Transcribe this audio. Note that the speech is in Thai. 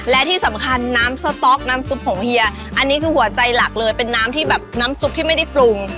และที่สำคัญน้ำสต๊อกน้ำซุปของเฮียอันนี้คือหัวใจหลักเลยเป็นน้ำที่แบบน้ำซุปที่ไม่ได้ปรุง